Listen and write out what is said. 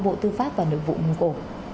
bộ tư pháp và nội vụ mông cổ